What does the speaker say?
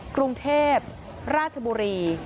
กรุงเทพราชบุรี